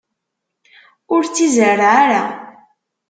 Ur tt-izerreε ara!